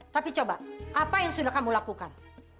tapi coba apa yang sudah kamu lakukan